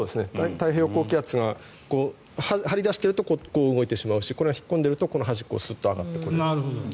太平洋高気圧が張り出しているとこう動いてしまうしこれが引っ込んでいるとこの端を上がってくる。